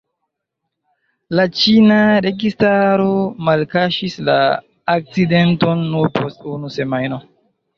La ĉina registaro malkaŝis la akcidenton nur post unu semajno.